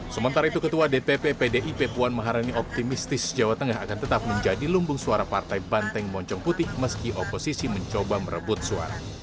sementara itu ketua dpp pdip puan maharani optimistis jawa tengah akan tetap menjadi lumbung suara partai banteng moncong putih meski oposisi mencoba merebut suara